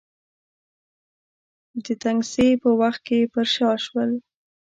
د تنګسې په وخت کې پر شا شول.